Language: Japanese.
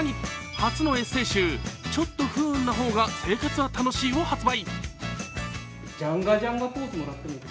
初のエッセー集「ちょっと不運なほうが生活は楽しい」を発売。